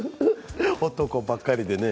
男ばっかりでね。